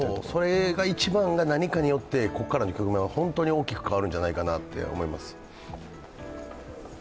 その一番が何かによってここからの局面は大きく変わるんじゃないかと思います。